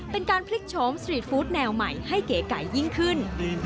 เป็นการพลิกโฉมสตรีทฟู้ดแนวใหม่ให้เก๋ไก่ยิ่งขึ้น